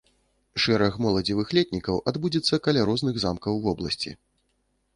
Шэраг моладзевых летнікаў адбудзецца каля розных замкаў вобласці.